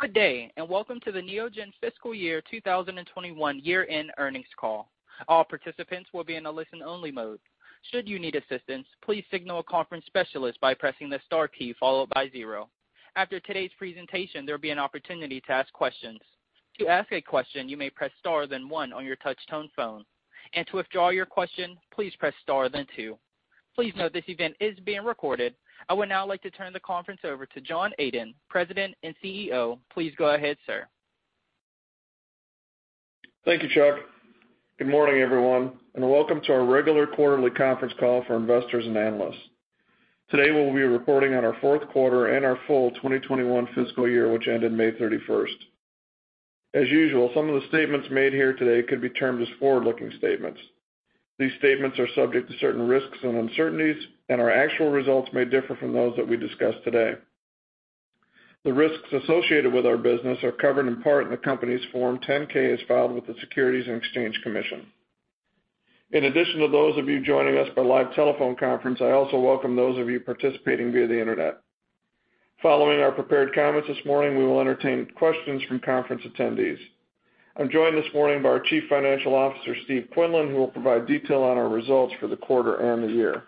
Good day, and welcome to the Neogen fiscal year 2021 year-end earnings call. All participants will be in a listen-only mode. Should you need assistance, please signal a conference specialist by pressing the star key, followed by zero. After today's presentation, there will be an opportunity to ask questions. To ask a question, you may press star, then one on your touch-tone phone. And to withdraw your question, please press star, then two. Please note this event is being recorded. I would now like to turn the conference over to John Adent, President and CEO. Please go ahead, sir. Thank you, Chuck. Good morning, everyone, and welcome to our regular quarterly conference call for investors and analysts. Today, we'll be reporting on our fourth quarter and our full 2021 fiscal year, which ended May 31st. As usual, some of the statements made here today could be termed as forward-looking statements. These statements are subject to certain risks and uncertainties, and our actual results may differ from those that we discuss today. The risks associated with our business are covered in part in the company's Form 10-K, as filed with the Securities and Exchange Commission. In addition to those of you joining us by live telephone conference, I also welcome those of you participating via the internet. Following our prepared comments this morning, we will entertain questions from conference attendees. I'm joined this morning by our Chief Financial Officer, Steve Quinlan, who will provide detail on our results for the quarter and the year.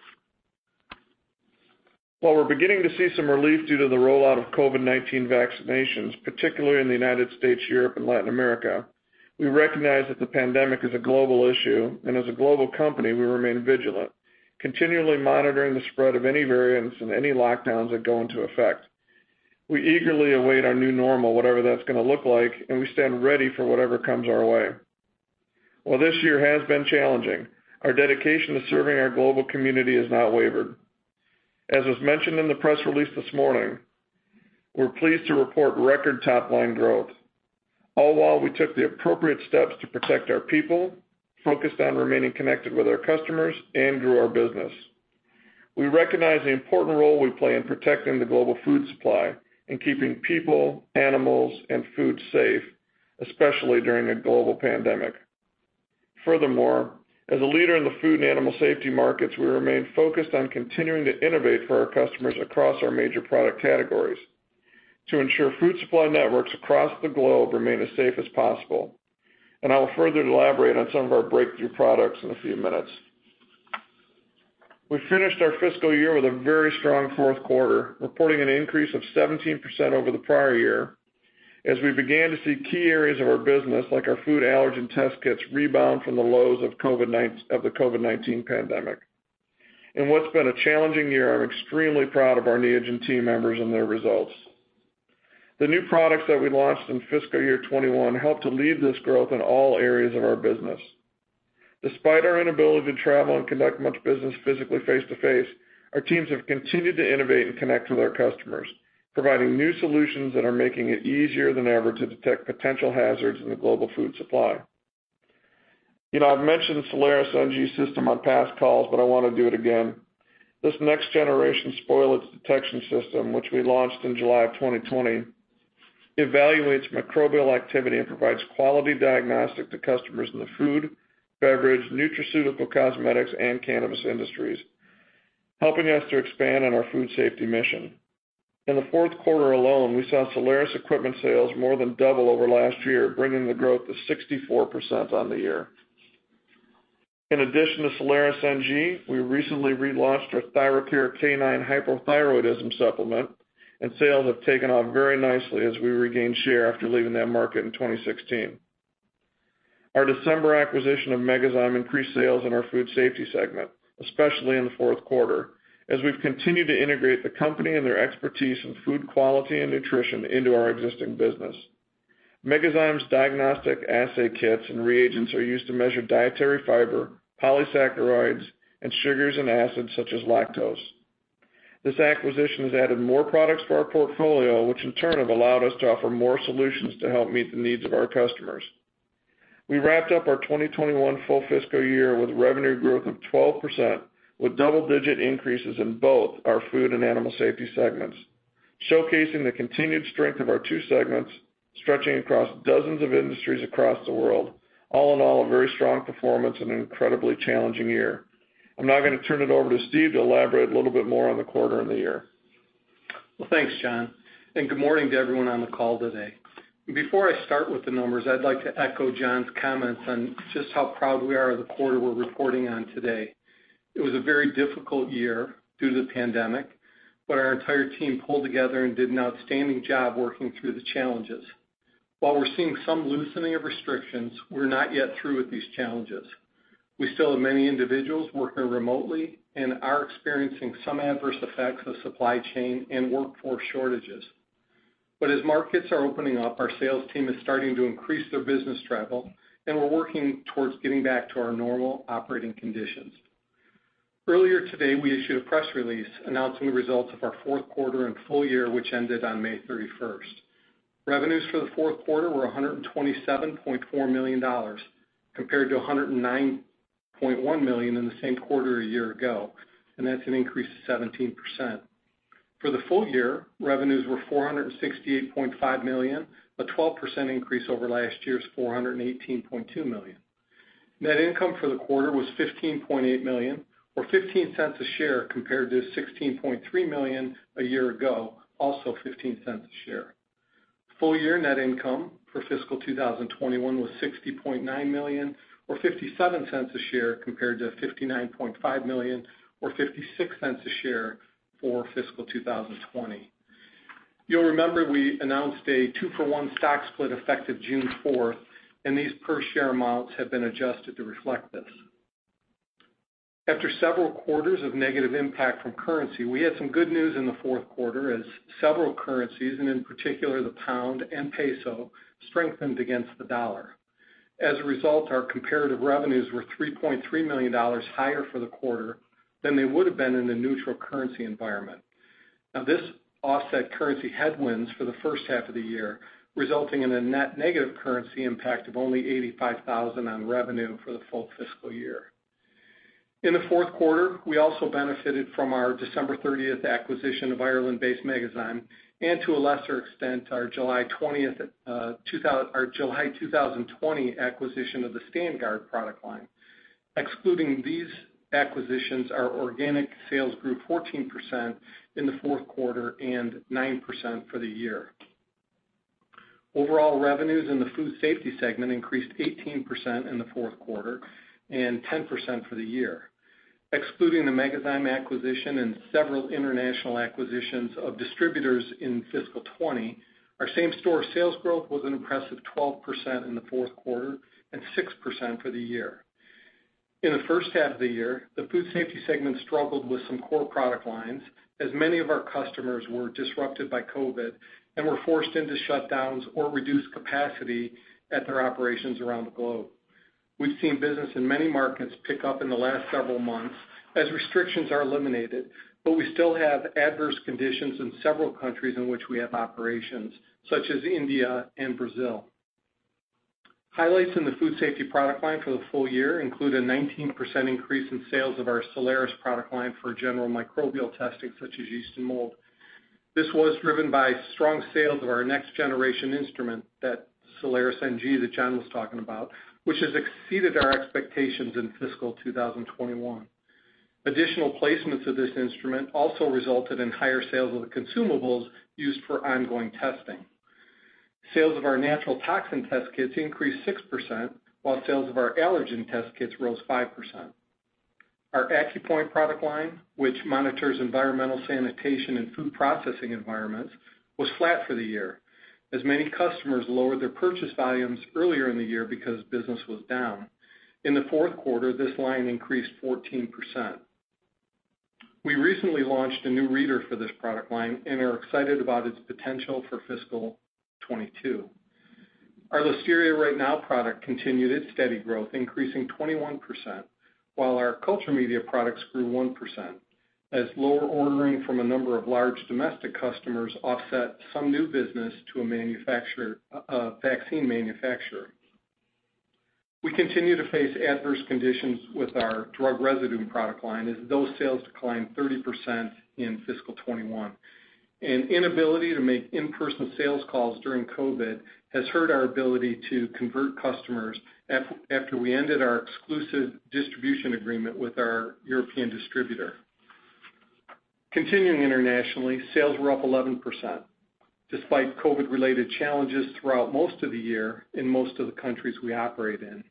While we're beginning to see some relief due to the rollout of COVID-19 vaccinations, particularly in the U.S., Europe, and Latin America, we recognize that the pandemic is a global issue, and as a global company, we remain vigilant, continually monitoring the spread of any variants and any lockdowns that go into effect. We eagerly await our new normal, whatever that's going to look like, and we stand ready for whatever comes our way. While this year has been challenging, our dedication to serving our global community has not wavered. As was mentioned in the press release this morning, we're pleased to report record top-line growth, all while we took the appropriate steps to protect our people, focused on remaining connected with our customers, and grew our business. We recognize the important role we play in protecting the global food supply and keeping people, animals, and food safe, especially during a global pandemic. Furthermore, as a leader in the food and animal safety markets, we remain focused on continuing to innovate for our customers across our major product categories to ensure food supply networks across the globe remain as safe as possible. I will further elaborate on some of our breakthrough products in a few minutes. We finished our fiscal year with a very strong fourth quarter, reporting an increase of 17% over the prior year as we began to see key areas of our business, like our food allergen test kits, rebound from the lows of the COVID-19 pandemic. In what's been a challenging year, I'm extremely proud of our Neogen team members and their results. The new products that we launched in fiscal year 2021 helped to lead this growth in all areas of our business. Despite our inability to travel and conduct much business physically face to face, our teams have continued to innovate and connect with our customers, providing new solutions that are making it easier than ever to detect potential hazards in the global food supply. I've mentioned the Soleris NG system on past calls, but I want to do it again. This next-generation spoilage detection system, which we launched in July of 2020, evaluates microbial activity and provides quality diagnostic to customers in the food, beverage, nutraceutical, cosmetics, and cannabis industries, helping us to expand on our food safety mission. In the fourth quarter alone, we saw Soleris equipment sales more than double over last year, bringing the growth to 64% on the year. In addition to Soleris NG, we recently relaunched our ThyroKare canine hypothyroidism supplement, and sales have taken off very nicely as we regain share after leaving that market in 2016. Our December acquisition of Megazyme increased sales in our food safety segment, especially in the fourth quarter, as we've continued to integrate the company and their expertise in food quality and nutrition into our existing business. Megazyme's diagnostic assay kits and reagents are used to measure dietary fiber, polysaccharides, and sugars and acids such as lactose. This acquisition has added more products to our portfolio, which in turn have allowed us to offer more solutions to help meet the needs of our customers. We wrapped up our 2021 full fiscal year with revenue growth of 12%, with double-digit increases in both our food and animal safety segments, showcasing the continued strength of our two segments, stretching across dozens of industries across the world. All in all, a very strong performance in an incredibly challenging year. I'm now going to turn it over to Steve to elaborate a little bit more on the quarter and the year. Well, thanks, John Adent, and good morning to everyone on the call today. Before I start with the numbers, I'd like to echo John Adent's comments on just how proud we are of the quarter we're reporting on today. It was a very difficult year due to the pandemic, but our entire team pulled together and did an outstanding job working through the challenges. While we're seeing some loosening of restrictions, we're not yet through with these challenges. We still have many individuals working remotely and are experiencing some adverse effects of supply chain and workforce shortages. As markets are opening up, our sales team is starting to increase their business travel, and we're working towards getting back to our normal operating conditions. Earlier today, we issued a press release announcing the results of our fourth quarter and full year, which ended on May 31st. Revenues for the fourth quarter were $127.4 million, compared to $109.1 million in the same quarter a year ago, and that's an increase of 17%. For the full year, revenues were $468.5 million, a 12% increase over last year's $418.2 million. Net income for the quarter was $15.8 million or $0.15 a share compared to $16.3 million a year ago, also $0.15 a share. Full year net income for fiscal 2021 was $60.9 million or $0.57 a share compared to $59.5 million or $0.56 a share for fiscal 2020. You'll remember we announced a two-for-one stock split effective June 4th, and these per share amounts have been adjusted to reflect this. After several quarters of negative impact from currency, we had some good news in the fourth quarter as several currencies, and in particular the pound and peso, strengthened against the dollar. As a result, our comparative revenues were $3.3 million higher for the quarter than they would have been in a neutral currency environment. Now, this offset currency headwinds for the first half of the year, resulting in a net negative currency impact of only $85,000 on revenue for the full fiscal year. In the fourth quarter, we also benefited from our December 30th acquisition of Ireland-based Megazyme, and to a lesser extent, our July 2020 acquisition of the StandGuard product line. Excluding these acquisitions, our organic sales grew 14% in the fourth quarter and 9% for the year. Overall revenues in the food safety segment increased 18% in the fourth quarter and 10% for the year. Excluding the Megazyme acquisition and several international acquisitions of distributors in FY 2020, our same-store sales growth was an impressive 12% in the fourth quarter and 6% for the year. In the first half of the year, the food safety segment struggled with some core product lines, as many of our customers were disrupted by COVID-19 and were forced into shutdowns or reduced capacity at their operations around the globe. We've seen business in many markets pick up in the last several months as restrictions are eliminated, but we still have adverse conditions in several countries in which we have operations, such as India and Brazil. Highlights in the food safety product line for the full year include a 19% increase in sales of our Soleris product line for general microbial testing such as yeast and mold. This was driven by strong sales of our next generation instrument, that Soleris NG that John was talking about, which has exceeded our expectations in fiscal 2021. Additional placements of this instrument also resulted in higher sales of the consumables used for ongoing testing. Sales of our natural toxin test kits increased 6%, while sales of our allergen test kits rose 5%. Our AccuPoint product line, which monitors environmental sanitation and food processing environments, was flat for the year, as many customers lowered their purchase volumes earlier in the year because business was down. In the fourth quarter, this line increased 14%. We recently launched a new reader for this product line and are excited about its potential for fiscal 2022. Our Listeria Right Now product continued its steady growth, increasing 21%, while our culture media products grew 1%, as lower ordering from a number of large domestic customers offset some new business to a vaccine manufacturer. We continue to face adverse conditions with our drug residue product line, as those sales declined 30% in fiscal 2021. An inability to make in-person sales calls during COVID has hurt our ability to convert customers after we ended our exclusive distribution agreement with our European distributor. Continuing internationally, sales were up 11%, despite COVID-related challenges throughout most of the year in most of the countries we operate in.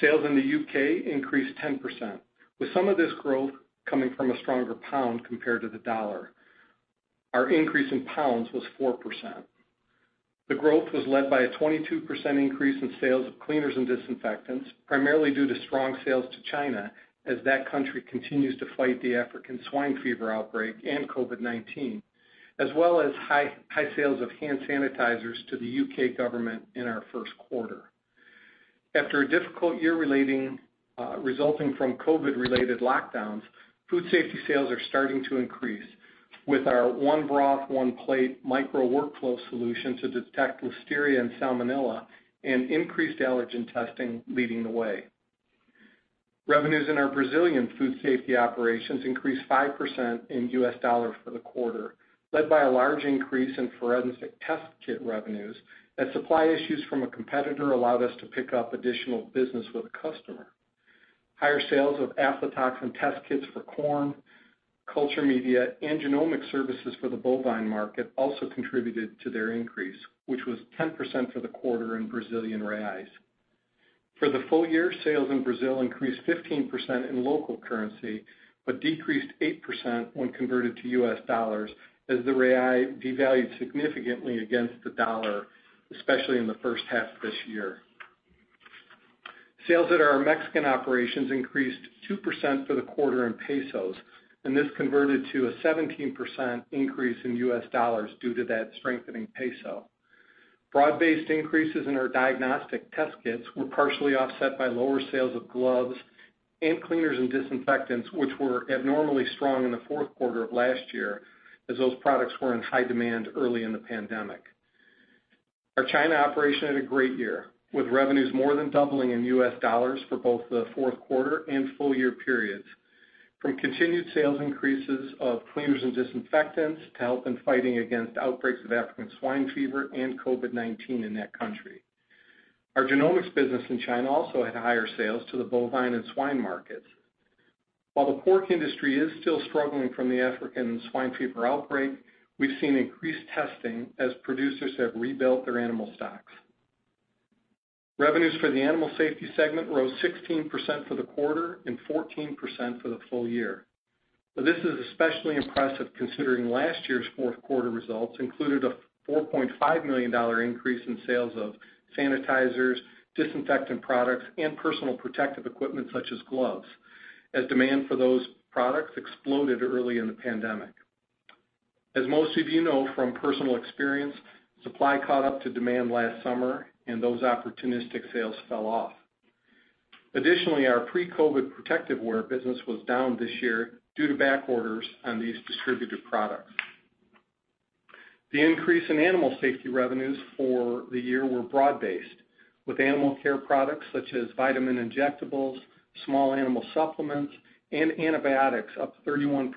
Sales in the U.K. increased 10%, with some of this growth coming from a stronger GBP compared to the USD. Our increase in GBP was 4%. The growth was led by a 22% increase in sales of cleaners and disinfectants, primarily due to strong sales to China as that country continues to fight the African swine fever outbreak and COVID-19, as well as high sales of hand sanitizers to the U.K. government in our first quarter. After a difficult year resulting from COVID-related lockdowns, food safety sales are starting to increase, with our One Broth One Plate micro workflow solution to detect Listeria and Salmonella and increased allergen testing leading the way. Revenues in our Brazilian food safety operations increased 5% in US dollars for the quarter, led by a large increase in forensic test kit revenues as supply issues from a competitor allowed us to pick up additional business with a customer. Higher sales of aflatoxin test kits for corn, culture media, and genomic services for the bovine market also contributed to their increase, which was 10% for the quarter in Brazilian reais. For the full year, sales in Brazil increased 15% in local currency, but decreased 8% when converted to US dollars as the real devalued significantly against the dollar, especially in the first half of this year. Sales at our Mexican operations increased 2% for the quarter in MXN, and this converted to a 17% increase in USD due to that strengthening MXN. Broad-based increases in our diagnostic test kits were partially offset by lower sales of gloves and cleaners and disinfectants, which were abnormally strong in the fourth quarter of last year, as those products were in high demand early in the pandemic. Our China operation had a great year, with revenues more than doubling in USD for both the fourth quarter and full year periods. From continued sales increases of cleaners and disinfectants to help in fighting against outbreaks of African swine fever and COVID-19 in that country. Our genomics business in China also had higher sales to the bovine and swine markets. While the pork industry is still struggling from the African swine fever outbreak, we've seen increased testing as producers have rebuilt their animal stocks. Revenues for the Animal Safety segment rose 16% for the quarter and 14% for the full year. This is especially impressive considering last year's fourth quarter results included a $4.5 million increase in sales of sanitizers, disinfectant products, and personal protective equipment such as gloves, as demand for those products exploded early in the pandemic. As most of you know from personal experience, supply caught up to demand last summer and those opportunistic sales fell off. Additionally, our pre-COVID protective wear business was down this year due to back orders on these distributed products. The increase in animal safety revenues for the year were broad-based, with animal care products such as vitamin injectables, small animal supplements, and antibiotics up 31%,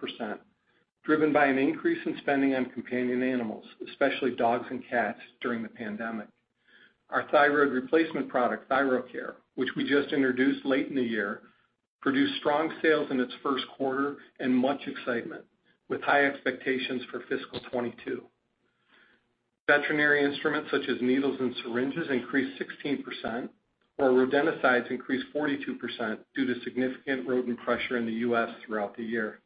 driven by an increase in spending on companion animals, especially dogs and cats, during the pandemic. Our thyroid replacement product, ThyroKare, which we just introduced late in the year, produced strong sales in its first quarter and much excitement, with high expectations for fiscal 2022. Veterinary instruments such as needles and syringes increased 16%, while rodenticides increased 42% due to significant rodent pressure in the U.S. throughout the year.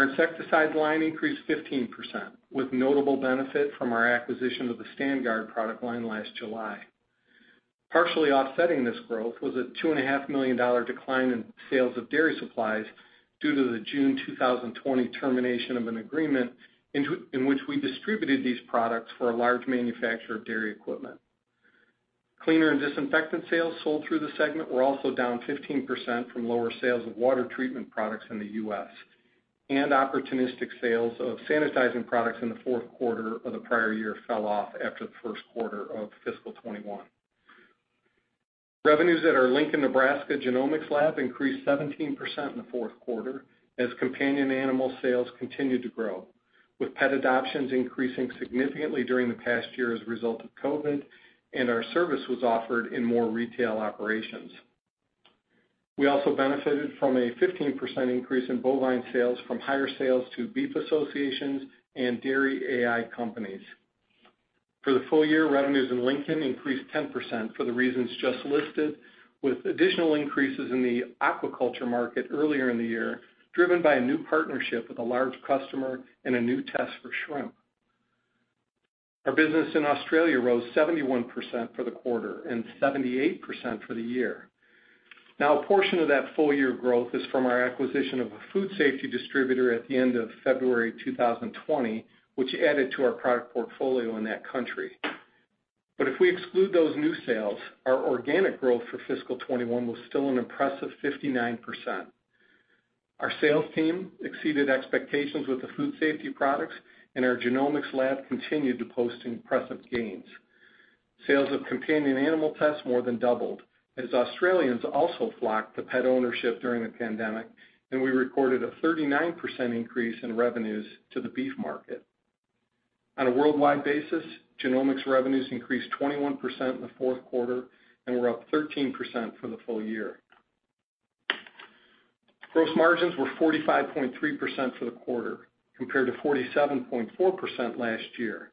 Our insecticides line increased 15%, with notable benefit from our acquisition of the StandGuard product line last July. Partially offsetting this growth was a $2.5 million decline in sales of dairy supplies, due to the June 2020 termination of an agreement in which we distributed these products for a large manufacturer of dairy equipment. Cleaner and disinfectant sales sold through the segment were also down 15% from lower sales of water treatment products in the U.S., and opportunistic sales of sanitizing products in the fourth quarter of the prior year fell off after the first quarter of fiscal 2021. Revenues at our Lincoln, Nebraska genomics lab increased 17% in the fourth quarter as companion animal sales continued to grow, with pet adoptions increasing significantly during the past year as a result of COVID-19 and our service was offered in more retail operations. We also benefited from a 15% increase in bovine sales from higher sales to beef associations and dairy AI companies. For the full year, revenues in Lincoln increased 10% for the reasons just listed, with additional increases in the aquaculture market earlier in the year, driven by a new partnership with a large customer and a new test for shrimp. Our business in Australia rose 71% for the quarter and 78% for the year. Now, a portion of that full-year growth is from our acquisition of a food safety distributor at the end of February 2020, which added to our product portfolio in that country. If we exclude those new sales, our organic growth for fiscal 2021 was still an impressive 59%. Our sales team exceeded expectations with the food safety products, and our genomics lab continued to post impressive gains. Sales of companion animal tests more than doubled, as Australians also flocked to pet ownership during the pandemic, and we recorded a 39% increase in revenues to the beef market. On a worldwide basis, genomics revenues increased 21% in the fourth quarter and were up 13% for the full year. Gross margins were 45.3% for the quarter, compared to 47.4% last year,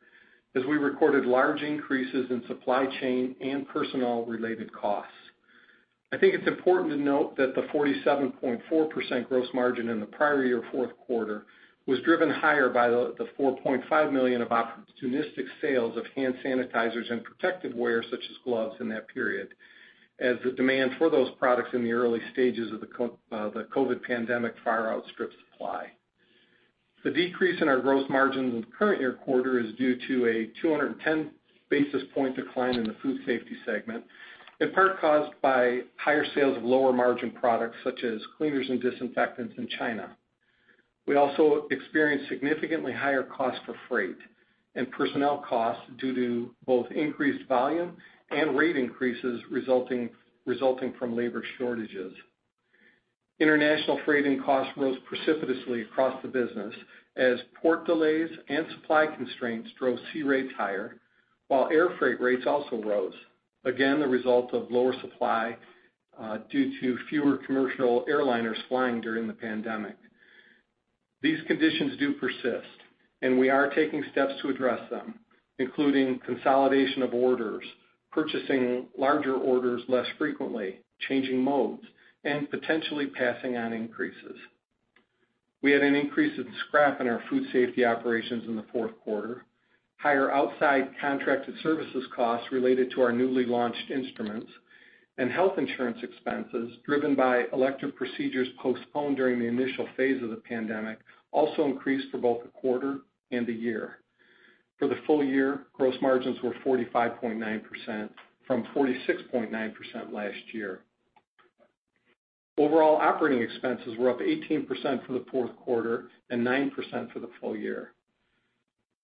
as we recorded large increases in supply chain and personnel-related costs. I think it's important to note that the 47.4% gross margin in the prior year fourth quarter was driven higher by the $4.5 million of opportunistic sales of hand sanitizers and protective wear such as gloves in that period, as the demand for those products in the early stages of the COVID-19 pandemic far outstripped supply. The decrease in our gross margins in the current year quarter is due to a 210 basis point decline in the Food Safety segment, in part caused by higher sales of lower-margin products such as cleaners and disinfectants in China. We also experienced significantly higher costs for freight and personnel costs due to both increased volume and rate increases resulting from labor shortages. International freighting costs rose precipitously across the business as port delays and supply constraints drove sea rates higher, while air freight rates also rose. The result of lower supply due to fewer commercial airliners flying during the pandemic. These conditions do persist, and we are taking steps to address them, including consolidation of orders, purchasing larger orders less frequently, changing modes, and potentially passing on increases. We had an increase in scrap in our Food Safety operations in the fourth quarter. Higher outside contracted services costs related to our newly launched instruments and health insurance expenses, driven by elective procedures postponed during the initial phase of the pandemic, also increased for both the quarter and the year. For the full year, gross margins were 45.9%, from 46.9% last year. Overall operating expenses were up 18% for the fourth quarter and 9% for the full year.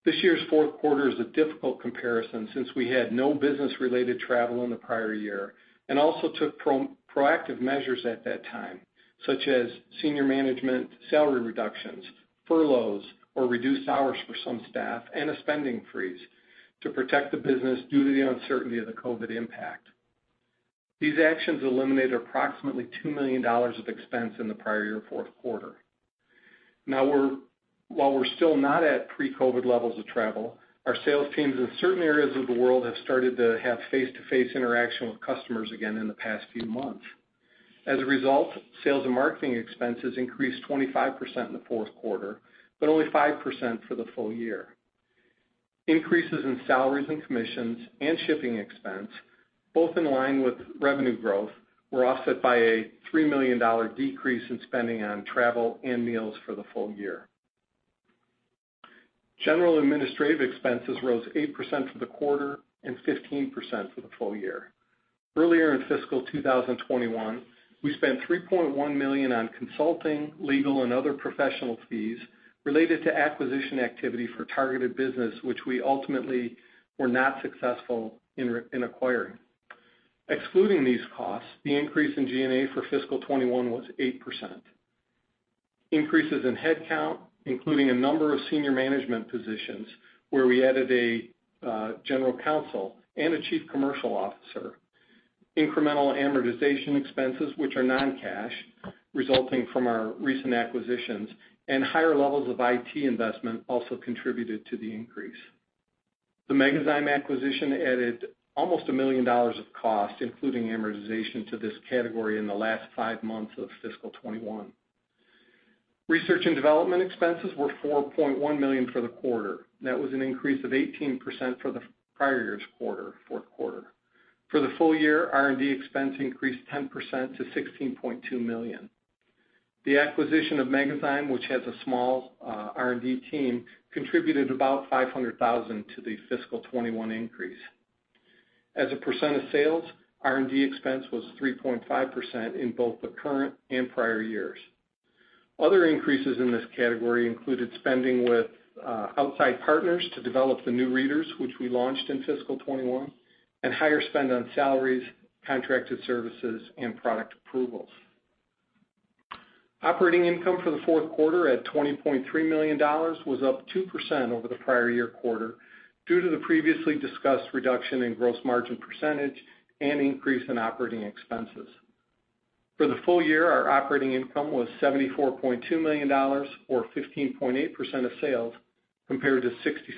This year's fourth quarter is a difficult comparison since we had no business-related travel in the prior year, and also took proactive measures at that time, such as senior management salary reductions, furloughs or reduced hours for some staff, and a spending freeze to protect the business due to the uncertainty of the COVID-19 impact. These actions eliminated approximately $2 million of expense in the prior year fourth quarter. Now while we're still not at pre-COVID-19 levels of travel, our sales teams in certain areas of the world have started to have face-to-face interaction with customers again in the past few months. As a result, sales and marketing expenses increased 25% in the fourth quarter, but only 5% for the full year. Increases in salaries and commissions and shipping expense, both in line with revenue growth, were offset by a $3 million decrease in spending on travel and meals for the full year. General administrative expenses rose 8% for the quarter and 15% for the full year. Earlier in fiscal 2021, we spent $3.1 million on consulting, legal, and other professional fees related to acquisition activity for targeted business, which we ultimately were not successful in acquiring. Excluding these costs, the increase in G&A for fiscal 2021 was 8%. Increases in headcount, including a number of senior management positions, where we added a General Counsel and a Chief Commercial Officer. Incremental amortization expenses, which are non-cash, resulting from our recent acquisitions and higher levels of IT investment also contributed to the increase. The Megazyme acquisition added almost $1 million of cost, including amortization to this category in the last five months of fiscal 2021. Research and development expenses were $4.1 million for the quarter. That was an increase of 18% for the prior year's fourth quarter. For the full year, R&D expense increased 10% to $16.2 million. The acquisition of Megazyme, which has a small R&D team, contributed about $500,000 to the fiscal 2021 increase. As a percent of sales, R&D expense was 3.5% in both the current and prior years. Other increases in this category included spending with outside partners to develop the new readers, which we launched in fiscal 2021, and higher spend on salaries, contracted services, and product approvals. Operating income for the fourth quarter at $20.3 million was up 2% over the prior year quarter due to the previously discussed reduction in gross margin percentage and increase in operating expenses. For the full year, our operating income was $74.2 million or 15.8% of sales, compared to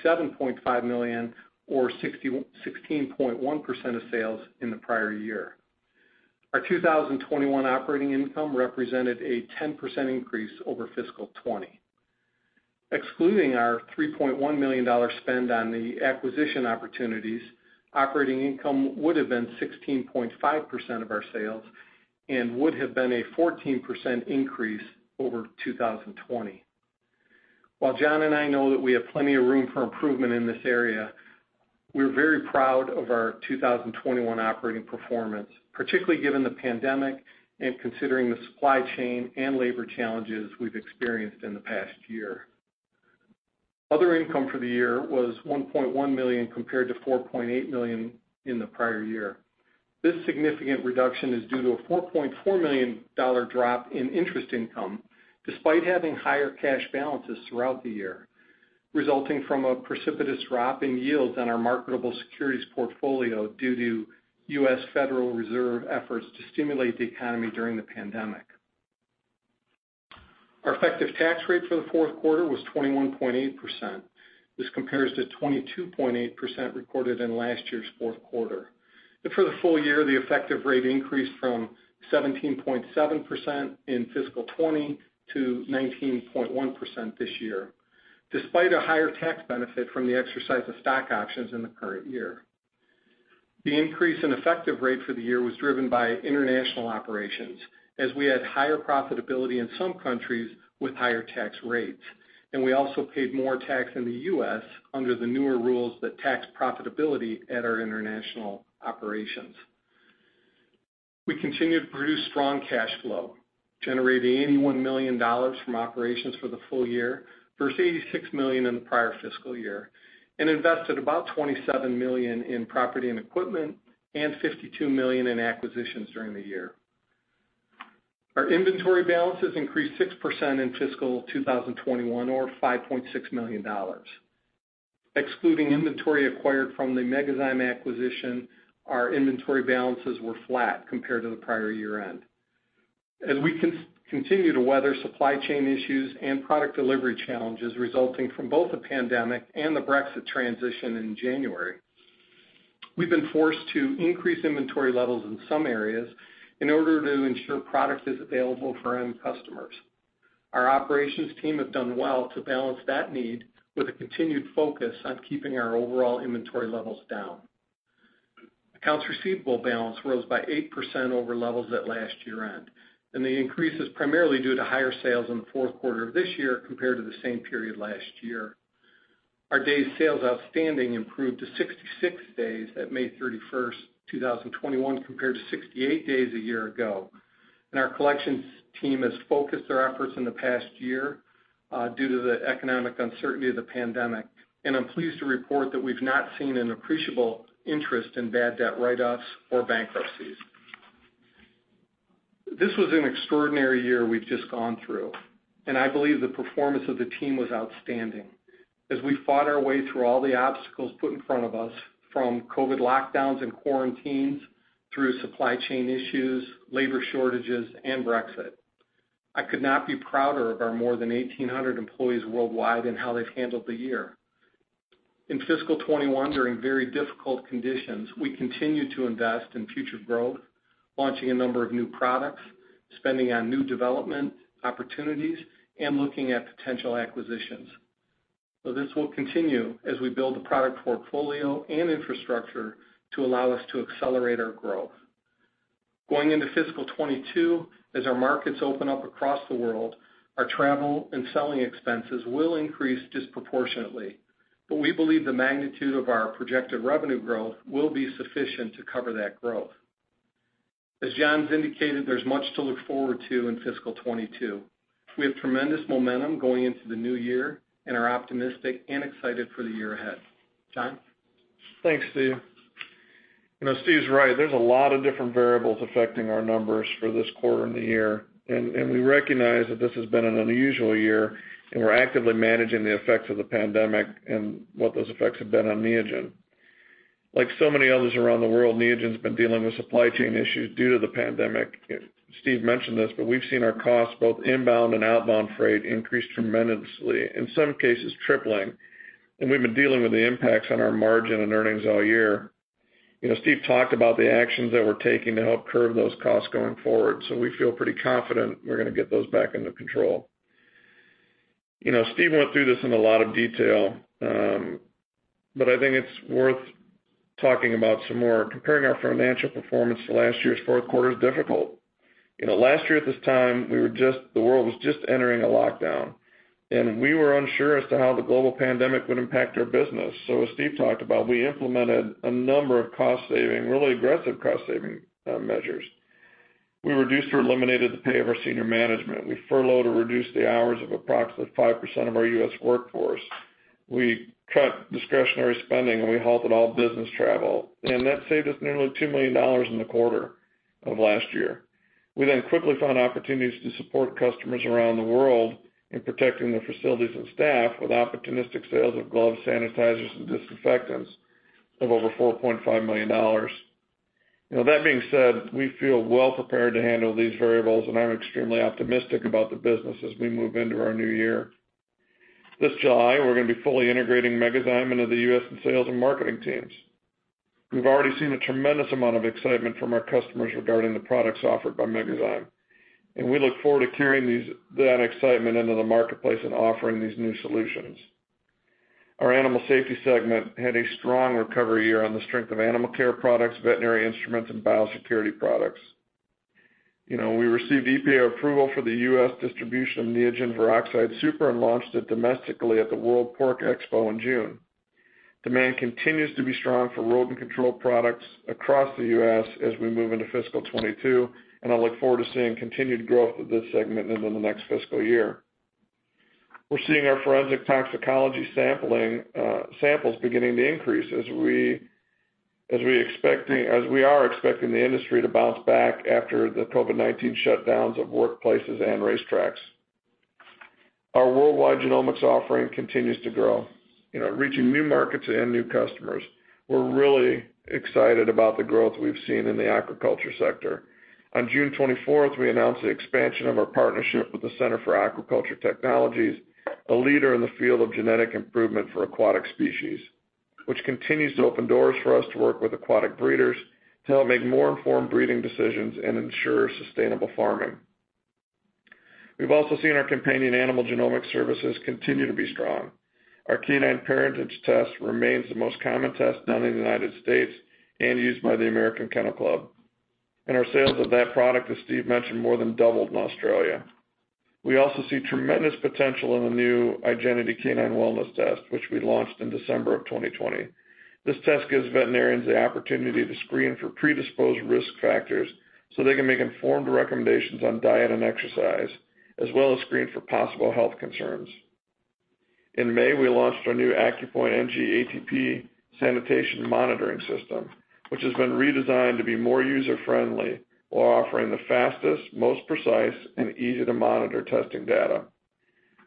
$67.5 million or 16.1% of sales in the prior year. Our 2021 operating income represented a 10% increase over fiscal 2020. Excluding our $3.1 million spend on the acquisition opportunities, operating income would've been 16.5% of our sales and would have been a 14% increase over 2020. While John and I know that we have plenty of room for improvement in this area, we're very proud of our 2021 operating performance, particularly given the pandemic and considering the supply chain and labor challenges we've experienced in the past year. Other income for the year was $1.1 million compared to $4.8 million in the prior year. This significant reduction is due to a $4.4 million drop in interest income, despite having higher cash balances throughout the year, resulting from a precipitous drop in yields on our marketable securities portfolio due to U.S. Federal Reserve efforts to stimulate the economy during the pandemic. Our effective tax rate for the fourth quarter was 21.8%. This compares to 22.8% recorded in last year's fourth quarter. For the full year, the effective rate increased from 17.7% in fiscal 2020 to 19.1% this year, despite a higher tax benefit from the exercise of stock options in the current year. The increase in effective rate for the year was driven by international operations, as we had higher profitability in some countries with higher tax rates, and we also paid more tax in the U.S. under the newer rules that tax profitability at our international operations. We continued to produce strong cash flow, generating $81 million from operations for the full year versus $86 million in the prior fiscal year, and invested about $27 million in property and equipment and $52 million in acquisitions during the year. Our inventory balances increased 6% in fiscal 2021 or $5.6 million. Excluding inventory acquired from the Megazyme acquisition, our inventory balances were flat compared to the prior year-end. As we continue to weather supply chain issues and product delivery challenges resulting from both the pandemic and the Brexit transition in January, we've been forced to increase inventory levels in some areas in order to ensure product is available for end customers. Our operations team have done well to balance that need with a continued focus on keeping our overall inventory levels down. Accounts receivable balance rose by 8% over levels at last year-end. The increase is primarily due to higher sales in the fourth quarter of this year compared to the same period last year. Our days sales outstanding improved to 66 days at May 31st, 2021 compared to 68 days a year ago. Our collections team has focused their efforts in the past year due to the economic uncertainty of the pandemic. I'm pleased to report that we've not seen an appreciable interest in bad debt write-offs or bankruptcies. This was an extraordinary year we've just gone through, and I believe the performance of the team was outstanding as we fought our way through all the obstacles put in front of us, from COVID lockdowns and quarantines, through supply chain issues, labor shortages, and Brexit. I could not be prouder of our more than 1,800 employees worldwide and how they've handled the year. In fiscal 2021, during very difficult conditions, we continued to invest in future growth, launching a number of new products, spending on new development opportunities, and looking at potential acquisitions. This will continue as we build the product portfolio and infrastructure to allow us to accelerate our growth. Going into fiscal 2022, as our markets open up across the world, our travel and selling expenses will increase disproportionately, but we believe the magnitude of our projected revenue growth will be sufficient to cover that growth. As John's indicated, there's much to look forward to in fiscal 2022. We have tremendous momentum going into the new year and are optimistic and excited for the year ahead. John? Thanks, Steve. Steve's right. There's a lot of different variables affecting our numbers for this quarter and the year, and we recognize that this has been an unusual year, and we're actively managing the effects of the pandemic and what those effects have been on Neogen. Like so many others around the world, Neogen's been dealing with supply chain issues due to the pandemic. Steve mentioned this, but we've seen our costs, both inbound and outbound freight, increase tremendously, in some cases tripling, and we've been dealing with the impacts on our margin and earnings all year. Steve talked about the actions that we're taking to help curb those costs going forward. We feel pretty confident we're going to get those back under control. Steve went through this in a lot of detail, but I think it's worth talking about some more. Comparing our financial performance to last year's fourth quarter is difficult. Last year at this time, the world was just entering a lockdown, and we were unsure as to how the global pandemic would impact our business. As Steve talked about, we implemented a number of cost-saving, really aggressive cost-saving measures. We reduced or eliminated the pay of our senior management. We furloughed or reduced the hours of approximately 5% of our U.S. workforce. We cut discretionary spending, and we halted all business travel, and that saved us nearly $2 million in the quarter of last year. We quickly found opportunities to support customers around the world in protecting their facilities and staff with opportunistic sales of gloves, sanitizers, and disinfectants of over $4.5 million. That being said, we feel well prepared to handle these variables, and I'm extremely optimistic about the business as we move into our new year. This July, we're going to be fully integrating Megazyme into the U.S. and sales and marketing teams. We've already seen a tremendous amount of excitement from our customers regarding the products offered by Megazyme, and we look forward to carrying that excitement into the marketplace and offering these new solutions. Our Animal Safety segment had a strong recovery year on the strength of animal care products, veterinary instruments, and biosecurity products. We received EPA approval for the U.S. distribution of Neogen Viroxide Super and launched it domestically at the World Pork Expo in June. Demand continues to be strong for rodent control products across the U.S. as we move into FY 2022. I look forward to seeing continued growth of this segment into the next fiscal year. We're seeing our forensic toxicology samples beginning to increase as we are expecting the industry to bounce back after the COVID-19 shutdowns of workplaces and racetracks. Our worldwide genomics offering continues to grow, reaching new markets and new customers. We're really excited about the growth we've seen in the aquaculture sector. On June 24th, we announced the expansion of our partnership with the Center for Aquaculture Technologies, a leader in the field of genetic improvement for aquatic species, which continues to open doors for us to work with aquatic breeders to help make more informed breeding decisions and ensure sustainable farming. We've also seen our companion animal genomic services continue to be strong. Our canine parentage test remains the most common test done in the United States and used by the American Kennel Club. Our sales of that product, as Steve mentioned, more than doubled in Australia. We also see tremendous potential in the new Igenity Canine Wellness Test, which we launched in December 2020. This test gives veterinarians the opportunity to screen for predisposed risk factors so they can make informed recommendations on diet and exercise, as well as screen for possible health concerns. In May, we launched our new AccuPoint NG ATP sanitation monitoring system, which has been redesigned to be more user-friendly while offering the fastest, most precise, and easy-to-monitor testing data.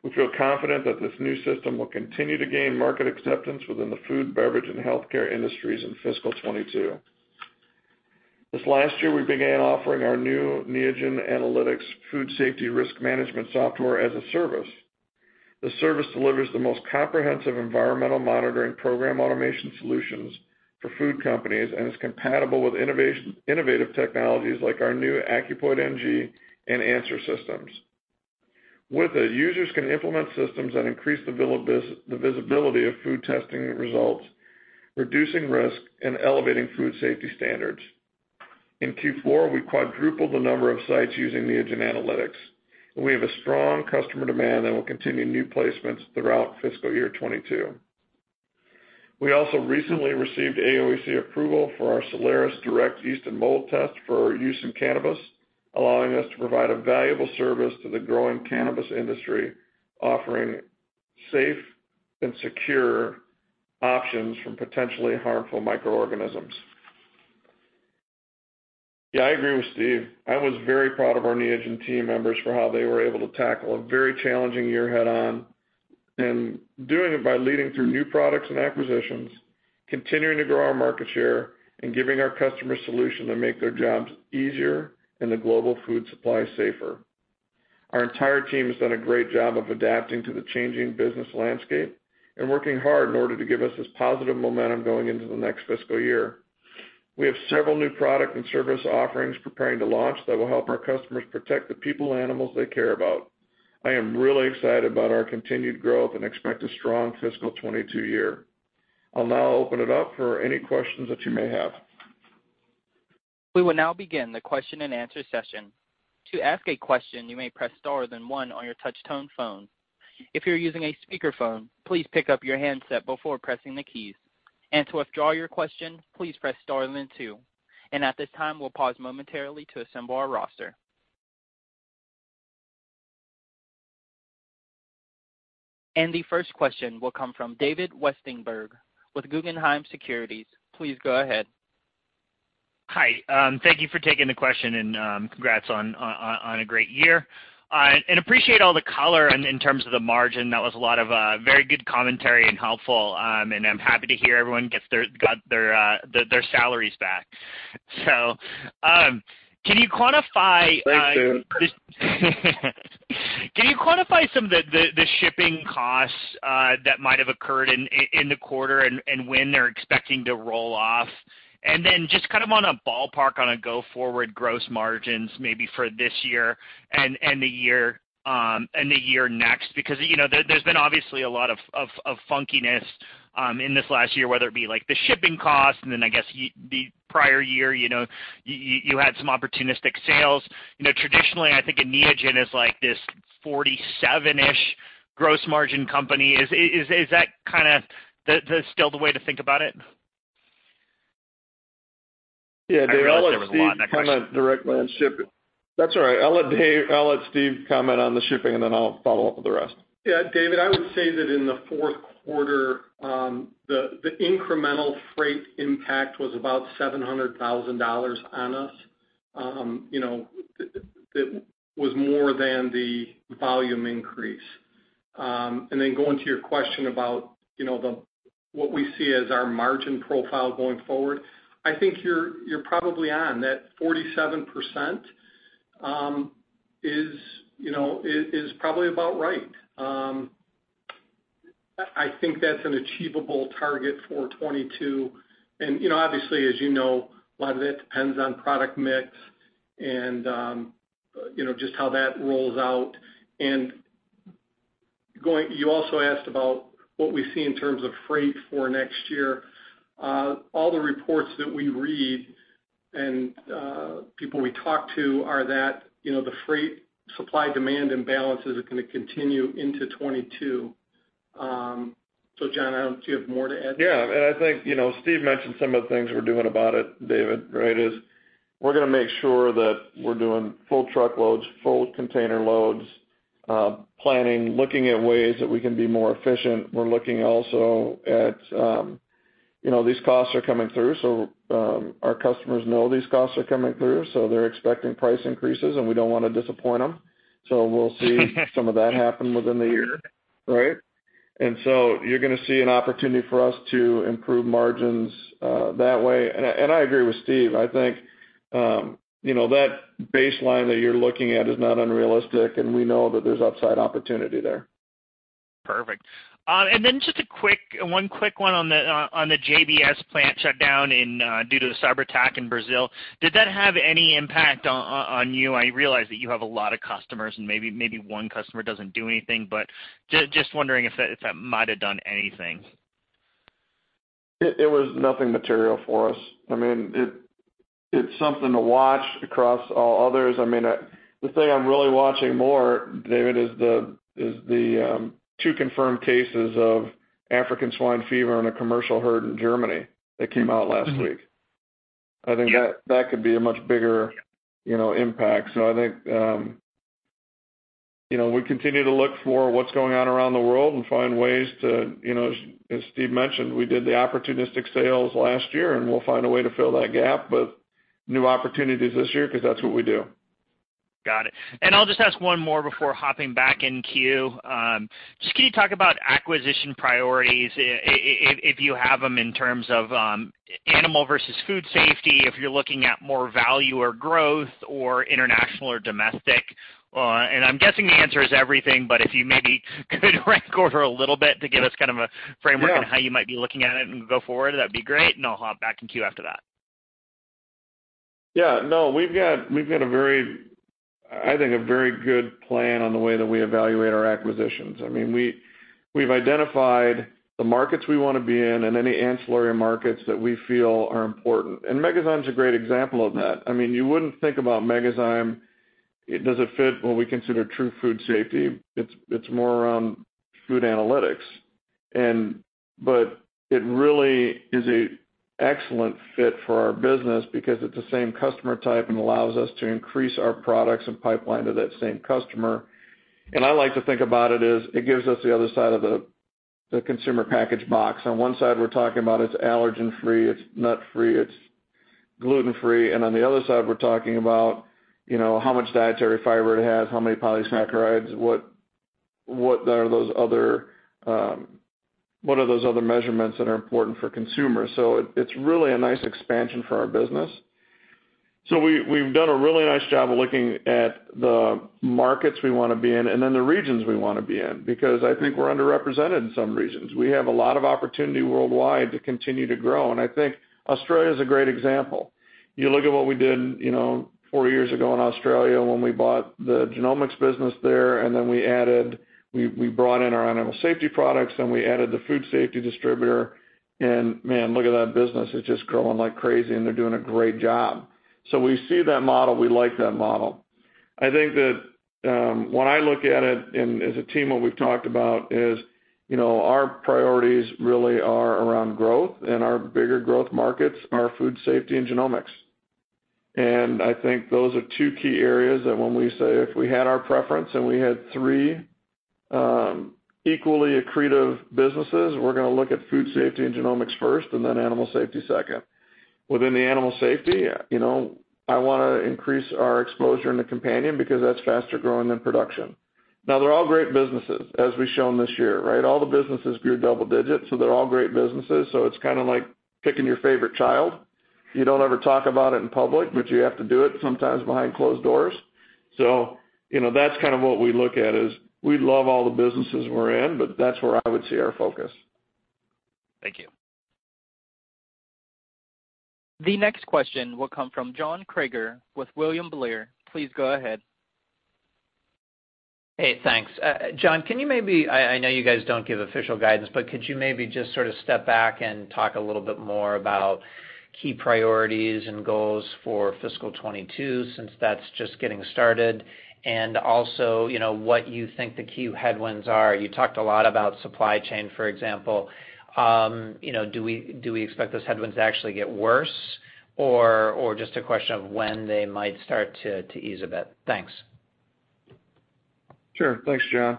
We feel confident that this new system will continue to gain market acceptance within the food, beverage, and healthcare industries in fiscal 2022. This last year, we began offering our new Neogen Analytics food safety risk management software as a service. The service delivers the most comprehensive environmental monitoring program automation solutions for food companies and is compatible with innovative technologies like our new AccuPoint NG and ANSR systems. With it, users can implement systems that increase the visibility of food testing results, reducing risk, and elevating food safety standards. In Q4, we quadrupled the number of sites using Neogen Analytics. We have a strong customer demand and will continue new placements throughout fiscal year 2022. We also recently received AOAC approval for our Soleris direct yeast and mold test for use in cannabis, allowing us to provide a valuable service to the growing cannabis industry, offering safe and secure options from potentially harmful microorganisms. Yeah, I agree with Steve. I was very proud of our Neogen team members for how they were able to tackle a very challenging year head-on, and doing it by leading through new products and acquisitions, continuing to grow our market share, and giving our customers solutions that make their jobs easier and the global food supply safer. Our entire team has done a great job of adapting to the changing business landscape and working hard in order to give us this positive momentum going into the next fiscal year. We have several new product and service offerings preparing to launch that will help our customers protect the people and animals they care about. I am really excited about our continued growth and expect a strong fiscal 2022 year. I'll now open it up for any questions that you may have. We will now begin the question and answer session. To ask a question, you may press star then one on your touchtone phone. If you're using a speakerphone, please pick up your handset before pressing the keys. And to withdraw your question, please press star then two. At this time, we'll pause momentarily to assemble our roster. The first question will come from David Westenberg with Guggenheim Securities. Please go ahead. Hi. Thank you for taking the question. Congrats on a great year. Appreciate all the color in terms of the margin. That was a lot of very good commentary and helpful. I'm happy to hear everyone got their salaries back. Can you quantify? Thank you. Can you quantify some of the shipping costs that might have occurred in the quarter, and when they're expecting to roll off? Then just kind of on a ballpark on a go-forward gross margins, maybe for this year and the year next. Because there's been obviously a lot of funkiness in this last year, whether it be like the shipping costs and then I guess the prior year, you had some opportunistic sales. Traditionally, I think a Neogen is like this 47-ish gross margin company. Is that kind of still the way to think about it? Yeah, David. I realize there was a lot in that question. I'll let Steve comment directly on shipping. That's all right. I'll let Steve comment on the shipping, and then I'll follow up with the rest. Yeah, David, I would say that in the fourth quarter, the incremental freight impact was about $700,000 on us. That was more than the volume increase. Going to your question about what we see as our margin profile going forward. I think you're probably on. That 47% is probably about right. I think that's an achievable target for 2022. Obviously, as you know, a lot of it depends on product mix and just how that rolls out. You also asked about what we see in terms of freight for next year. All the reports that we read and people we talk to are that the freight supply-demand imbalances are going to continue into 2022. John, do you have more to add? Yeah. I think Steve mentioned some of the things we're doing about it, David, right? Is we're going to make sure that we're doing full truckloads, full container loads. Planning, looking at ways that we can be more efficient. We're looking also at these costs are coming through, so our customers know these costs are coming through, so they're expecting price increases, and we don't want to disappoint them. We'll see some of that happen within the year, right? You're going to see an opportunity for us to improve margins that way. I agree with Steve. I think that baseline that you're looking at is not unrealistic, and we know that there's upside opportunity there. Perfect. Then just one quick one on the JBS plant shutdown due to the cyberattack in Brazil. Did that have any impact on you? I realize that you have a lot of customers, and maybe one customer doesn't do anything, but just wondering if that might have done anything. It was nothing material for us. It is something to watch across all others. The thing I am really watching more, David, is the two confirmed cases of African swine fever in a commercial herd in Germany that came out last week. I think that could be a much bigger impact. I think we continue to look for what's going on around the world and find ways to, as Steve mentioned, we did the opportunistic sales last year, and we'll find a way to fill that gap with new opportunities this year because that's what we do. Got it. I'll just ask one more before hopping back in queue. Just can you talk about acquisition priorities, if you have them, in terms of animal versus food safety, if you're looking at more value or growth or international or domestic. I'm guessing the answer is everything, but if you maybe could rank order a little bit to give us kind of a framework. Yeah on how you might be looking at it and go forward, that'd be great. I'll hop back in queue after that. Yeah. No. We've got, I think, a very good plan on the way that we evaluate our acquisitions. We've identified the markets we want to be in and any ancillary markets that we feel are important. Megazyme's a great example of that. You wouldn't think about Megazyme. It doesn't fit what we consider true food safety. It's more around food analytics. It really is an excellent fit for our business because it's the same customer type and allows us to increase our products and pipeline to that same customer. I like to think about it as, it gives us the other side of the consumer package box. On one side, we're talking about it's allergen free, it's nut free, it's gluten free, and on the other side, we're talking about how much dietary fiber it has, how many polysaccharides, what are those other measurements that are important for consumers? It's really a nice expansion for our business. We've done a really nice job of looking at the markets we want to be in and then the regions we want to be in, because I think we're underrepresented in some regions. We have a lot of opportunity worldwide to continue to grow, and I think Australia's a great example. You look at what we did four years ago in Australia when we bought the genomics business there, and then we brought in our animal safety products, then we added the food safety distributor. Man, look at that business. It's just growing like crazy, and they're doing a great job. We see that model. We like that model. I think that, when I look at it, and as a team, what we've talked about is our priorities really are around growth, and our bigger growth markets are food safety and genomics. I think those are two key areas that when we say, if we had our preference and we had three equally accretive businesses, we're going to look at food safety and genomics first, and then animal safety second. Within the animal safety, I want to increase our exposure in the companion because that's faster-growing than production. They're all great businesses, as we've shown this year, right? All the businesses grew double digits, they're all great businesses. It's kind of like picking your favorite child. You don't ever talk about it in public, but you have to do it sometimes behind closed doors. That's kind of what we look at, is we love all the businesses we're in, but that's where I would see our focus. Thank you. The next question will come from John Kreger with William Blair. Please go ahead. Hey, thanks. John, I know you guys don't give official guidance, but could you maybe just sort of step back and talk a little bit more about key priorities and goals for fiscal 2022, since that's just getting started? Also, what you think the key headwinds are. You talked a lot about supply chain, for example. Do we expect those headwinds to actually get worse? Just a question of when they might start to ease a bit? Thanks. Sure. Thanks, John.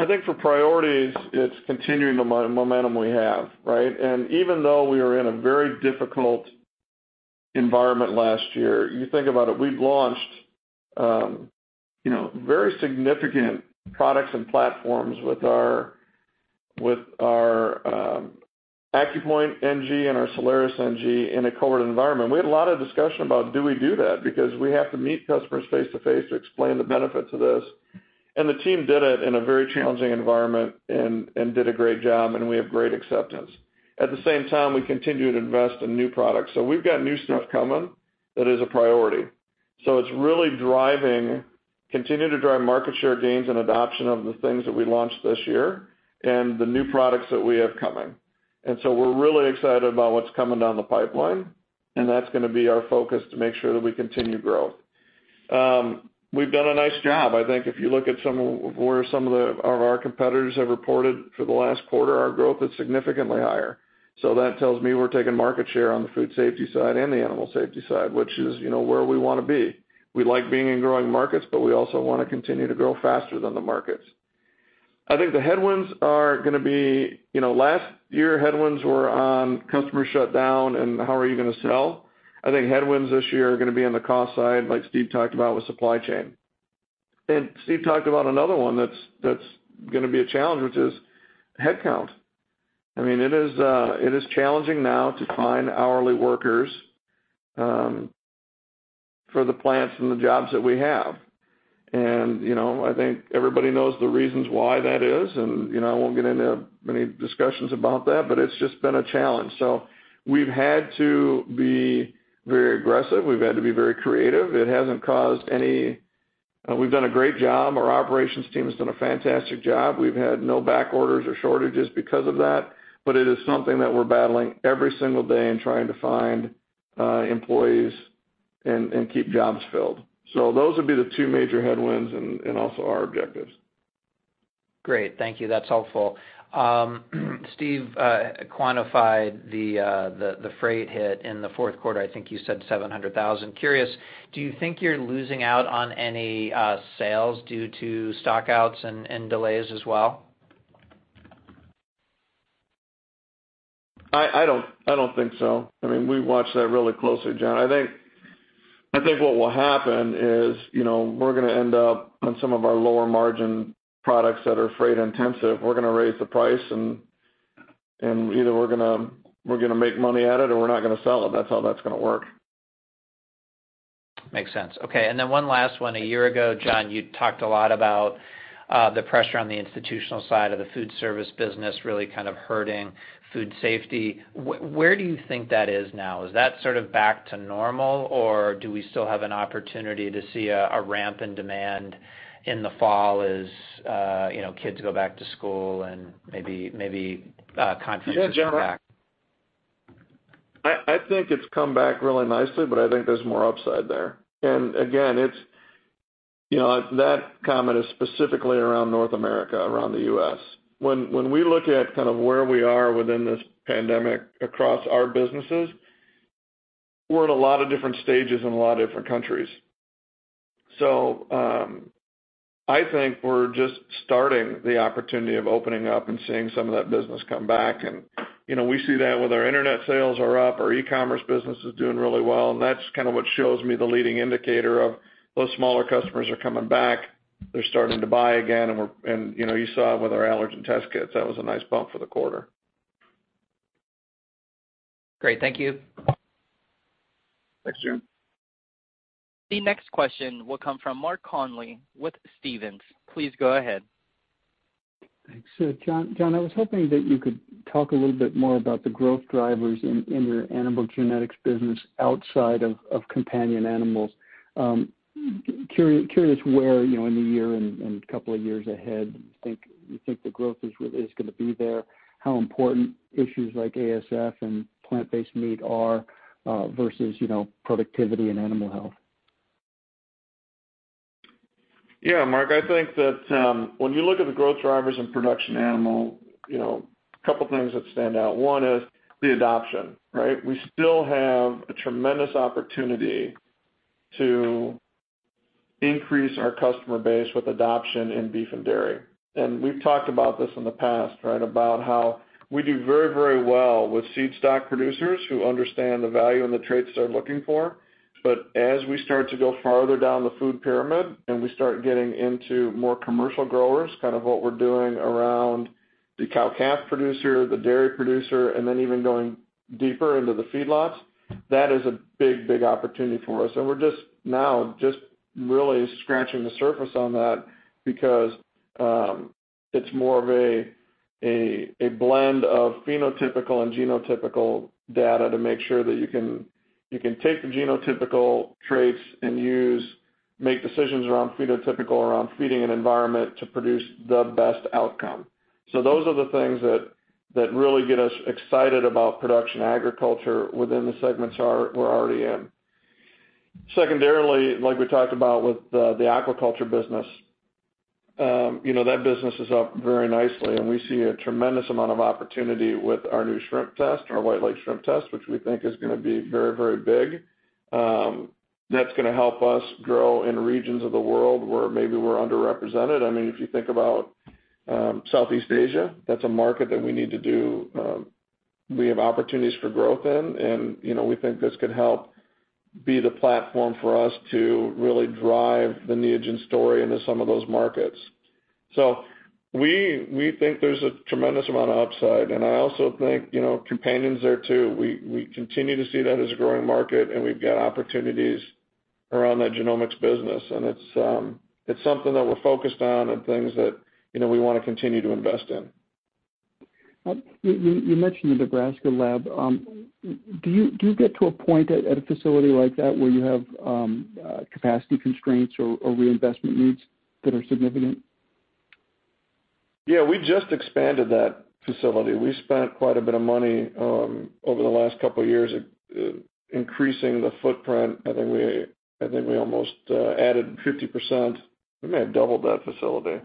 I think for priorities, it's continuing the momentum we have, right? Even though we were in a very difficult environment last year, you think about it, we've launched very significant products and platforms with our AccuPoint NG and our Soleris NG in a COVID environment. We had a lot of discussion about do we do that because we have to meet customers face to face to explain the benefit to this. The team did it in a very challenging environment and did a great job, and we have great acceptance. At the same time, we continued to invest in new products. We've got new stuff coming that is a priority. It's really continue to drive market share gains and adoption of the things that we launched this year and the new products that we have coming. We're really excited about what's coming down the pipeline, and that's going to be our focus to make sure that we continue growth. We've done a nice job. I think if you look at where some of our competitors have reported for the last quarter, our growth is significantly higher. That tells me we're taking market share on the food safety side and the animal safety side, which is where we want to be. We like being in growing markets, but we also want to continue to grow faster than the markets. I think the headwinds are going to be. Last year, headwinds were on customer shutdown and how are you going to sell. I think headwinds this year are going to be on the cost side, like Steve talked about with supply chain. Steve talked about another one that's going to be a challenge, which is headcount. It is challenging now to find hourly workers for the plants and the jobs that we have. I think everybody knows the reasons why that is, and I won't get into many discussions about that, but it's just been a challenge. We've had to be very aggressive. We've had to be very creative. We've done a great job. Our operations team has done a fantastic job. We've had no back orders or shortages because of that, but it is something that we're battling every single day and trying to find employees and keep jobs filled. Those would be the two major headwinds and also our objectives. Great. Thank you. That's helpful. Steve quantified the freight hit in the fourth quarter. I think you said $700,000. Curious, do you think you're losing out on any sales due to stock outs and delays as well? I don't think so. We watch that really closely, John. I think what will happen is we're going to end up on some of our lower margin products that are freight intensive. We're going to raise the price and either we're going to make money at it or we're not going to sell it. That's how that's going to work. Makes sense. Okay. One last one. A year ago, John, you talked a lot about the pressure on the institutional side of the food service business really kind of hurting food safety. Where do you think that is now? Is that sort of back to normal, or do we still have an opportunity to see a ramp in demand in the fall as kids go back to school and maybe confidence comes back? I think it's come back really nicely, but I think there's more upside there. Again, that comment is specifically around North America, around the U.S. When we look at kind of where we are within this pandemic across our businesses, we're at a lot of different stages in a lot of different countries. I think we're just starting the opportunity of opening up and seeing some of that business come back. We see that with our internet sales are up, our e-commerce business is doing really well, and that's kind of what shows me the leading indicator of those smaller customers are coming back. They're starting to buy again, you saw it with our allergen test kits. That was a nice bump for the quarter. Great. Thank you. Thanks, John. The next question will come from Mark Connelly with Stephens. Please go ahead. Thanks. John, I was hoping that you could talk a little bit more about the growth drivers in your animal genetics business outside of companion animals. Curious where in the year and couple of years ahead, you think the growth is going to be there, how important issues like ASF and plant-based meat are, versus productivity and animal health. Yeah, Mark, I think that when you look at the growth drivers in production animal, couple things that stand out. One is the adoption, right? We still have a tremendous opportunity to increase our customer base with adoption in beef and dairy. We've talked about this in the past, right? About how we do very well with seed stock producers who understand the value and the traits they're looking for. As we start to go farther down the food pyramid and we start getting into more commercial growers, kind of what we're doing around the cow-calf producer, the dairy producer, and then even going deeper into the feedlots, that is a big opportunity for us. We're just now just really scratching the surface on that because it's more of a blend of phenotypical and genotypical data to make sure that you can take the genotypical traits and make decisions around phenotypical, around feeding and environment to produce the best outcome. Those are the things that really get us excited about production agriculture within the segments we're already in. Secondarily, like we talked about with the aquaculture business, that business is up very nicely and we see a tremendous amount of opportunity with our new shrimp test, our white leg shrimp test, which we think is going to be very big. That's going to help us grow in regions of the world where maybe we're underrepresented. If you think about Southeast Asia, that's a market that we have opportunities for growth in. We think this could help be the platform for us to really drive the Neogen story into some of those markets. We think there's a tremendous amount of upside. I also think, companions there too. We continue to see that as a growing market and we've got opportunities around that genomics business. It's something that we're focused on and things that we want to continue to invest in. You mentioned the Nebraska lab. Do you get to a point at a facility like that where you have capacity constraints or reinvestment needs that are significant? Yeah, we just expanded that facility. We spent quite a bit of money over the last couple of years increasing the footprint. I think we almost added 50%. We may have doubled that facility.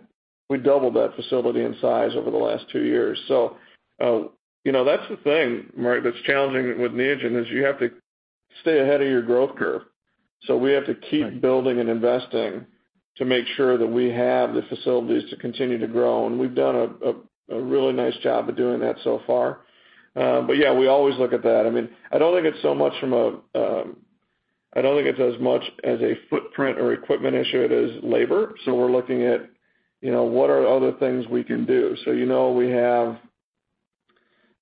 We doubled that facility in size over the last two years. That's the thing, Mark, that's challenging with Neogen, is you have to stay ahead of your growth curve. We have to keep building and investing to make sure that we have the facilities to continue to grow. We've done a really nice job of doing that so far. Yeah, we always look at that. I don't think it's as much as a footprint or equipment issue as it is labor. We're looking at what are other things we can do. You know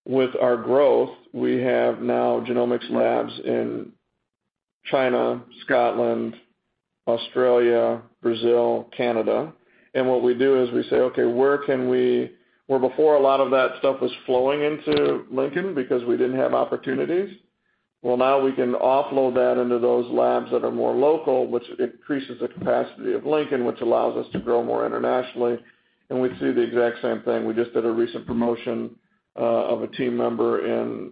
with our growth, we have now genomics labs in China, Scotland, Australia, Brazil, Canada. What we do is we say, okay, where before a lot of that stuff was flowing into Lincoln because we didn't have opportunities, well, now we can offload that into those labs that are more local, which increases the capacity of Lincoln, which allows us to grow more internationally. We see the exact same thing. We just did a recent promotion of a team member in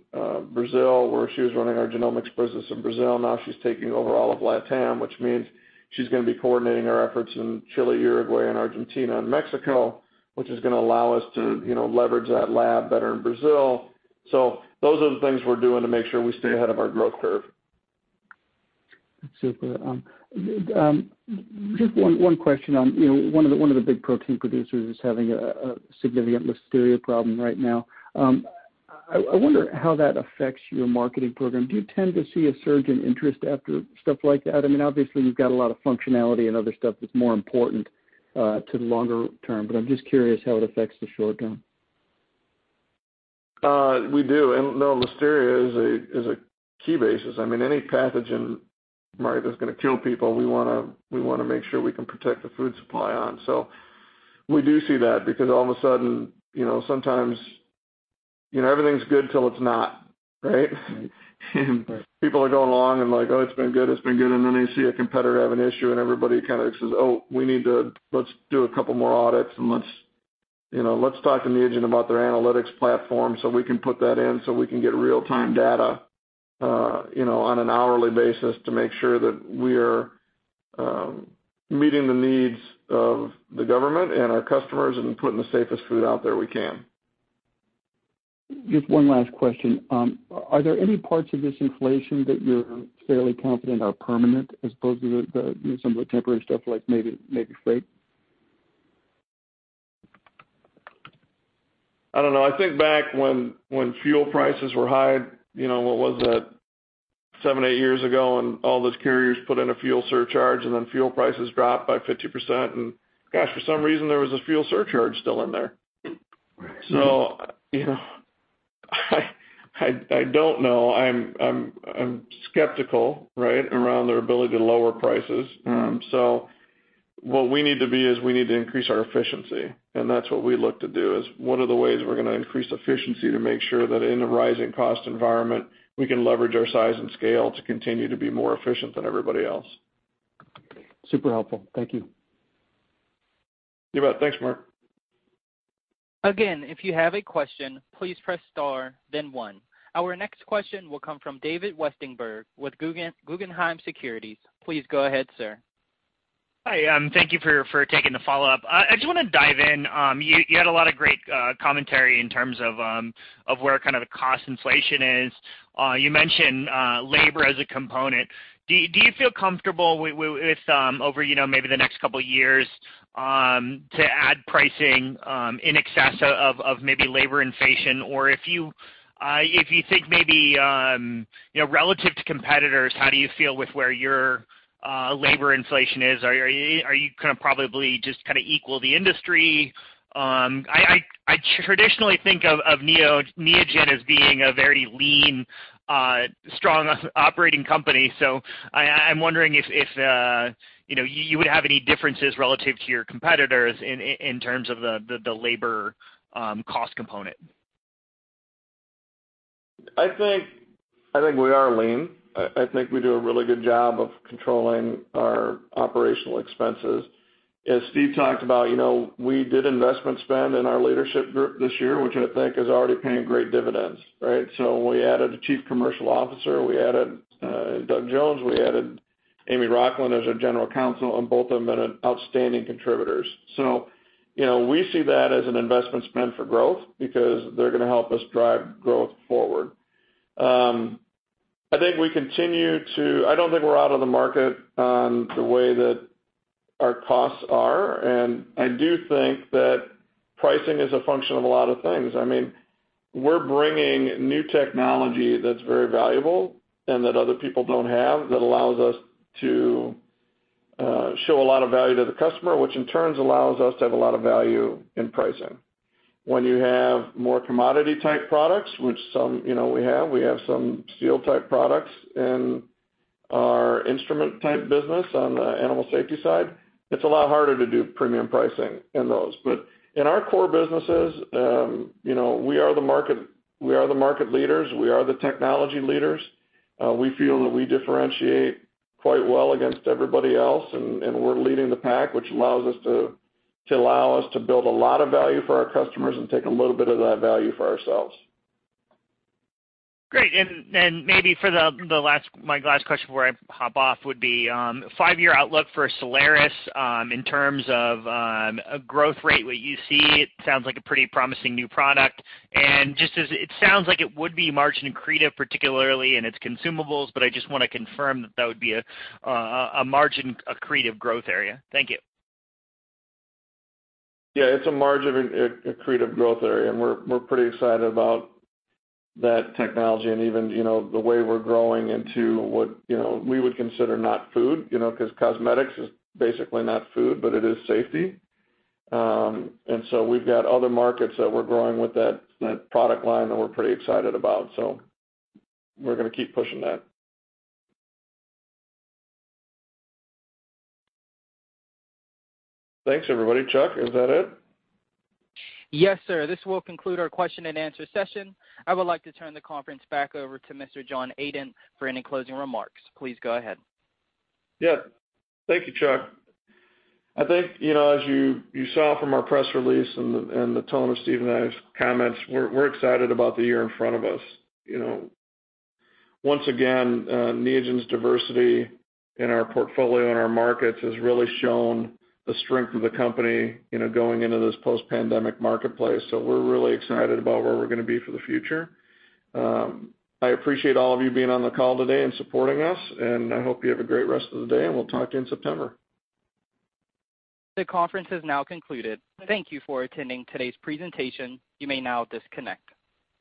Brazil, where she was running our genomics business in Brazil. Now she's taking over all of LATAM, which means she's going to be coordinating our efforts in Chile, Uruguay, and Argentina, and Mexico, which is going to allow us to leverage that lab better in Brazil. Those are the things we're doing to make sure we stay ahead of our growth curve. Super. Just one question. One of the big protein producers is having a significant Listeria problem right now. I wonder how that affects your marketing program. Do you tend to see a surge in interest after stuff like that? Obviously, you've got a lot of functionality and other stuff that's more important to the longer term, but I'm just curious how it affects the short term. We do. No, Listeria is a key basis. Any pathogen, Mark, that's going to kill people, we want to make sure we can protect the food supply on. We do see that because all of a sudden, sometimes everything's good till it's not, right? Right. People are going along and like, "Oh, it's been good." They see a competitor have an issue and everybody kind of says, "Oh, let's do a couple more audits and let's talk to Neogen about their Analytics platform so we can put that in so we can get real-time data on an hourly basis to make sure that we are meeting the needs of the government and our customers and putting the safest food out there we can. Just one last question. Are there any parts of this inflation that you're fairly confident are permanent as opposed to some of the temporary stuff like maybe freight? I don't know. I think back when fuel prices were high, what was that? seven, eight years ago, and all those carriers put in a fuel surcharge, and then fuel prices dropped by 50%. Gosh, for some reason, there was a fuel surcharge still in there. Right. I don't know. I'm skeptical around their ability to lower prices. What we need to be is we need to increase our efficiency, and that's what we look to do, is what are the ways we're going to increase efficiency to make sure that in a rising cost environment, we can leverage our size and scale to continue to be more efficient than everybody else. Super helpful. Thank you. You bet. Thanks, Mark. Again, if you have a question, please press star then one. Our next question will come from David Westenberg with Guggenheim Securities. Please go ahead, sir. Hi. Thank you for taking the follow-up. I just want to dive in. You had a lot of great commentary in terms of where the cost inflation is. You mentioned labor as a component. Do you feel comfortable with, over maybe the next couple of years, to add pricing in excess of maybe labor inflation? Or if you think maybe relative to competitors, how do you feel with where your labor inflation is? Are you going to probably just equal the industry? I traditionally think of Neogen as being a very lean, strong operating company. I'm wondering if you would have any differences relative to your competitors in terms of the labor cost component. I think we are lean. I think we do a really good job of controlling our operational expenses. As Steve talked about, we did investment spend in our leadership group this year, which I think is already paying great dividends. We added a Chief Commercial Officer. We added Doug Jones, we added Amy Rocklin as our General Counsel, and both of them have been outstanding contributors. We see that as an investment spend for growth because they're going to help us drive growth forward. I don't think we're out of the market the way that our costs are, and I do think that pricing is a function of a lot of things. We're bringing new technology that's very valuable and that other people don't have that allows us to show a lot of value to the customer, which in turn allows us to have a lot of value in pricing. When you have more commodity type products, which we have. We have some steel type products in our instrument type business on the animal safety side. It's a lot harder to do premium pricing in those. In our core businesses, we are the market leaders. We are the technology leaders. We feel that we differentiate quite well against everybody else, and we're leading the pack, which allows us to build a lot of value for our customers and take a little bit of that value for ourselves. Great. Maybe for my last question before I hop off would be, five-year outlook for Soleris in terms of growth rate, what you see? It sounds like a pretty promising new product. It sounds like it would be margin-accretive, particularly in its consumables, but I just want to confirm that that would be a margin-accretive growth area. Thank you. Yeah, it's a margin-accretive growth area, and we're pretty excited about that technology and even the way we're growing into what we would consider not food, because cosmetics is basically not food, but it is safety. We've got other markets that we're growing with that product line that we're pretty excited about. We're going to keep pushing that. Thanks, everybody. Chuck, is that it? Yes, sir. This will conclude our question and answer session. I would like to turn the conference back over to Mr. John Adent for any closing remarks. Please go ahead. Thank you, Chuck. I think, as you saw from our press release and the tone of Steve and I's comments, we're excited about the year in front of us. Once again, Neogen's diversity in our portfolio and our markets has really shown the strength of the company going into this post-pandemic marketplace. We're really excited about where we're going to be for the future. I appreciate all of you being on the call today and supporting us, and I hope you have a great rest of the day, and we'll talk to you in September. The conference has now concluded. Thank you for attending today's presentation. You may now disconnect.